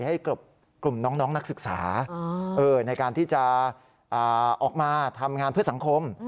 ให้กับกลุ่มน้องนักศึกษาในการที่จะออกมาทำงานเพื่อสังคม